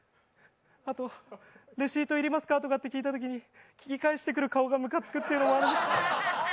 あとレシート要りますか？とかって聞いたときに、聞き返してくる顔がムカつくっていうことがあります。